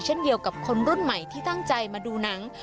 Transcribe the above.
เช่นเดียวกับคนรุ่นใหม่ที่ตั้งใจมาดูหนัง